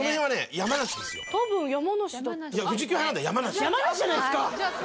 山梨じゃないですか！